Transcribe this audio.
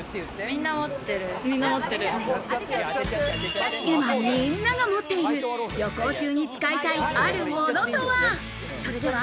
今、みんなが持っている、旅行中に使いたいあるものとは。